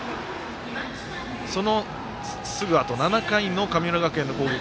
そのすぐあと７回の神村学園の攻撃。